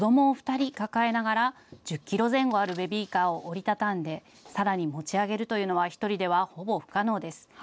しかし子どもを２人抱えながら、１０キロ前後あるベビーカーを折り畳んでさらに持ち上げるというのは１人ではほぼ不可能です。